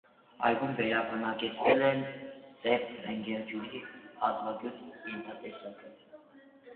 Այգում վերաբնակեցվել է սև ռնգեղջյուրի հազվագյուտ ենթատեսակը։